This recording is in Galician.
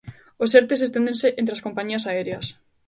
Os ertes esténdense entre as compañías aéreas.